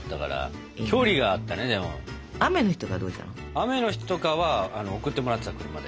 雨の日とかは送ってもらってた車で。